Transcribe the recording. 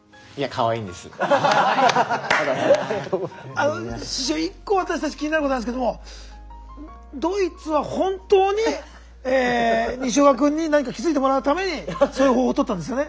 あの師匠１個私たち気になることあるんですけどもドイツは本当に西岡君に何か気付いてもらうためにそういう方法をとったんですよね？